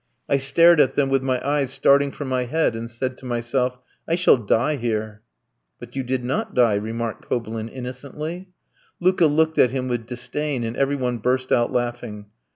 I stared at them with my eyes starting from my head, and said to myself, 'I shall die here.'" "But you did not die," remarked Kobylin innocently. Luka looked at him with disdain, and every one burst out laughing.